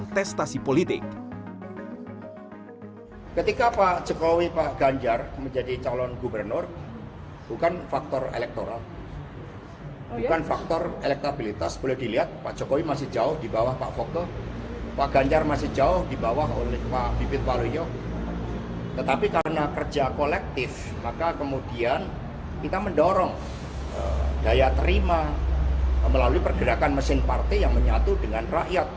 tetapi karena kerja kolektif maka kemudian kita mendorong daya terima melalui pergerakan mesin partai yang menyatu dengan rakyat